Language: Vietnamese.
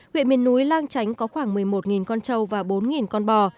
huyện miền núi lang chánh có khoảng một mươi một con trâu và bốn con bò